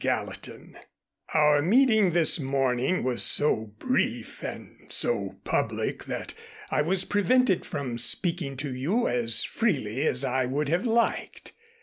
GALLATIN: Our meeting this morning was so brief and so public that I was prevented from speaking to you as freely as I would have liked.